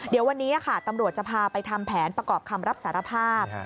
เดี๋ยววันนี้ค่ะตำรวจจะพาไปทำแผนประกอบคำรับสารภาพ